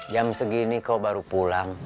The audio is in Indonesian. jam segini kau baru pulang